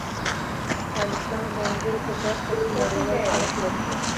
افغانستان د انګور په برخه کې نړیوال شهرت لري.